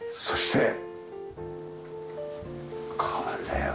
そして。